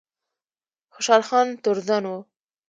خوشحال خان تورزن و